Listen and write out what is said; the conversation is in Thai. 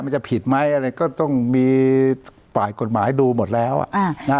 มันจะผิดไหมอะไรก็ต้องมีฝ่ายกฎหมายดูหมดแล้วอ่า